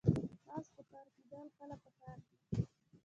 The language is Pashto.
لاس په کار کیدل کله پکار دي؟